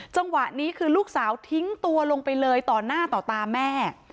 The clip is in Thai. จังหวะนี้คือลูกสาวทิ้งตัวลงไปเลยต่อหน้าต่อตาแม่